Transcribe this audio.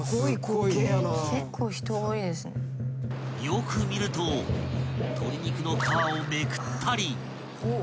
［よく見ると鶏肉の皮をめくったり］